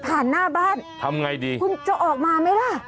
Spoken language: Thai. นี่ผ่านหน้าบ้านคุณจะออกมาไหมล่ะทำอย่างไรดี